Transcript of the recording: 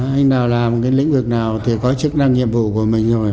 anh nào làm cái lĩnh vực nào thì có chức năng nhiệm vụ của mình rồi